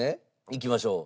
いきましょう。